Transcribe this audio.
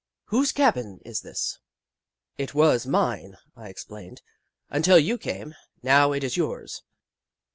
"Whose cabin is this?" Kitchi Kitchi 87 " It was mine," I explained, " until you came. Now it is yours."